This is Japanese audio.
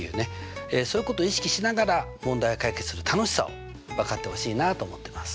そういうことを意識しながら問題を解決する楽しさを分かってほしいなと思ってます。